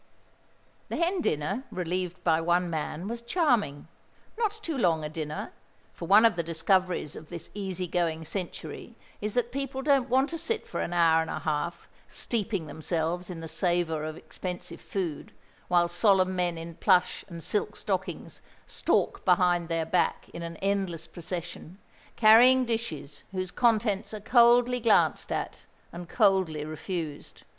The hen dinner, relieved by one man, was charming. Not too long a dinner; for one of the discoveries of this easy going century is that people don't want to sit for an hour and a half steeping themselves in the savour of expensive food, while solemn men in plush and silk stockings stalk behind their back in an endless procession, carrying dishes whose contents are coldly glanced at and coldly refused.